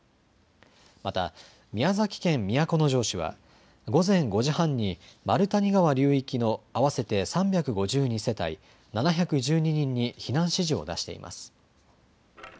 また宮崎県都城市は午前５時半に丸谷川流域の合わせて３５２世帯７１２人に避難指示を出しています。